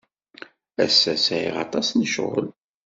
Ass-a, sɛiɣ aṭas n lecɣal.